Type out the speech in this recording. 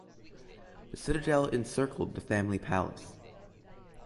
The citadel encircled the family palace.